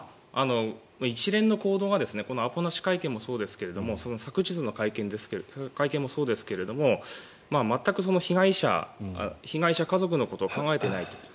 一連の行動がこのアポなし会見もそうですが昨日の会見もそうですが全く被害者家族のことを考えていないと。